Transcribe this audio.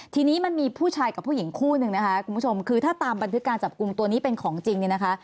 ทีนี้มันมีผู้ชายกับผู้หญิงคู่หนึ่งนะคะคุณผู้ชมคือถ้าตามบันทึกการจับกลุ่มตัวนี้เป็นของจริงเนี่ยนะคะ